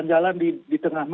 nih dalam pros asmr dua